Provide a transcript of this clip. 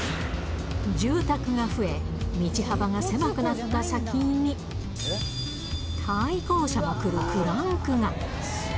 住宅が増え、道幅が狭くなった先に、対向車も来るクランクが。